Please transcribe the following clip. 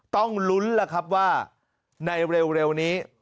ต้องลุ้นล่ะครับว่าในเร็วนี้